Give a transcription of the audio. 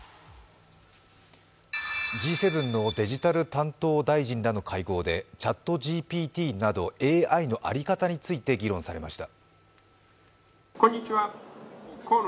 Ｇ７のデジタル担当大臣らの会合で、ＣｈａｔＧＰＴなどＡＩの在り方などについて議論されました。